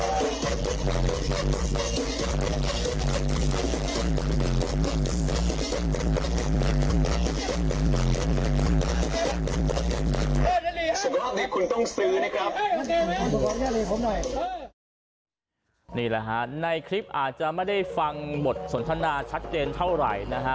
อ่ะสวัสดีคุณต้องซื้อนะครับผมหน่อยนี่แหละฮะในคลิปอาจจะไม่ได้ฟังบทสนทนาชัดเจนเท่าไหร่นะฮะ